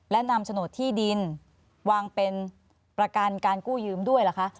และนำโฉนดที่ดินวางเป็นประกันการกู้ยืมด้วยเหรอคะ